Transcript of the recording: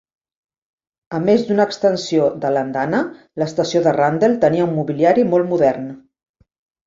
A més d'una extensió de l'andana, l'estació de Rundle tenia un mobiliari molt modern.